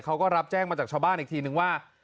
เขาก็รับแจ้งมาจากชาวบ้านอีกทีนึงว่า